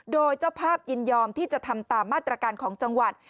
โดยเจ้าภาพยินยอมที่จะทำตามมาตรการของจังหวัด